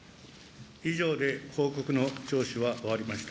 以上で報告の聴取は終わりました。